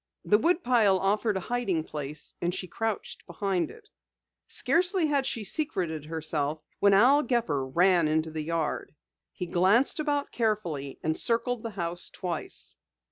The woodpile offered a hiding place and she crouched behind it. Scarcely had she secreted herself, when Al Gepper ran into the yard. He glanced about carefully and circled the house twice.